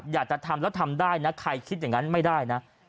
อยากจะทำแล้วทำได้นะใครคิดอย่างนั้นไม่ได้นะ